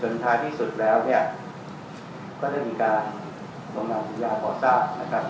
หรือบัติไฟคาอะไรก็ใช้การกับโครงการต่างสร้างเนี่ยสงสัยสะดวกนะครับ